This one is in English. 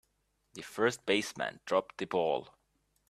The first baseman dropped the ball.